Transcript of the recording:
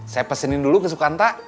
saya pesenin dulu ke sukanta